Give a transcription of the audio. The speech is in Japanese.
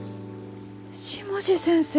下地先生！